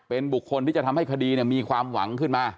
เป็นบุคคลที่จะทำให้คดีมีความหวังขึ้นมา